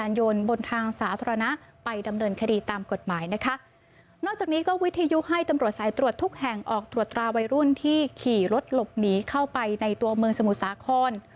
นอกจากนี้ก็วิทยุให้ตำรวจสายตรวจทุกแห่งออกตรวจตราวัยรุ่นที่ขี่รถหลบหนีเข้าไปในตัวเมืองสมุทรสาคร